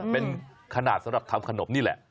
เป็นขนาดสำหรับทำขนมนี่แหละ